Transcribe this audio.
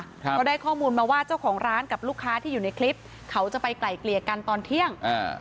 ก็ได้ข้อมูลมาว่าเจ้าของร้านกับลูกค้าที่อยู่ในคลิปเขาจะไปไกลเกลี่ยกันตอนเที่ยงอ่า